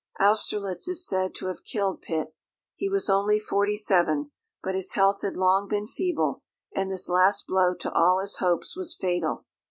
Austerlitz is said to have killed Pitt. He was only forty seven; but his health had long been feeble, and this last blow to all his hopes was fatal.